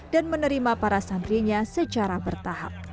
dan menerima para santrinya secara bertahap